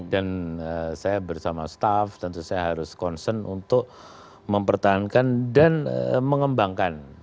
dan saya bersama staff tentu saya harus concern untuk mempertahankan dan mengembangkan